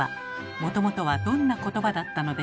もともとはどんなことばだったのでしょうか？